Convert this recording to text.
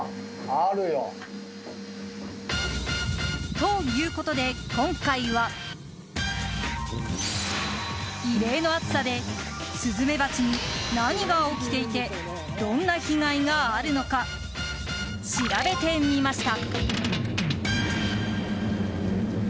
ということで今回は異例の暑さでスズメバチに何が起きていてどんな被害があるのか調べてみました。